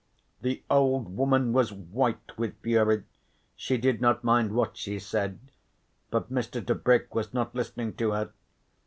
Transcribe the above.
The old woman was white with fury, she did not mind what she said, but Mr. Tebrick was not listening to her.